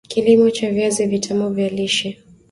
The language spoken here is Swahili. kilimo cha viazi vitam vya lishe